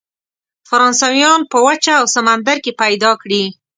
فرانسویان په وچه او سمندر کې پیدا کړي.